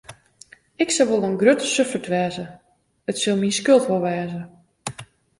Ik sil wol in grutte suffert wêze, it sil myn skuld wol wêze.